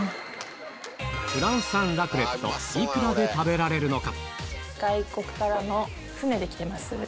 幾らで食べられるのか？